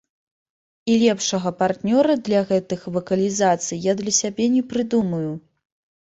І лепшага партнёра для гэтых вакалізацый я для сябе і не прыдумаю.